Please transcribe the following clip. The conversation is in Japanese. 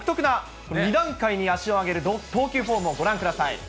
独特な２段階に足を上げる投球フォームをご覧ください。